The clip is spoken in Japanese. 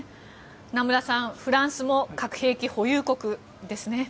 名村さん、フランスも核兵器保有国ですね。